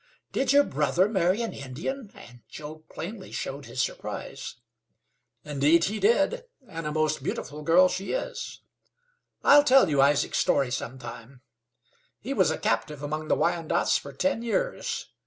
"Did your brother marry an Indian?" and Joe plainly showed his surprise. "Indeed he did, and a most beautiful girl she is. I'll tell you Isaac's story some time. He was a captive among the Wyandots for ten years.